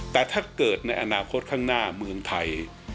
แต่ถ้าเกิดในอนาคตข้างหน้าเมืองไทย